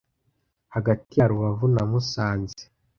Hagati ya rubavu na musanze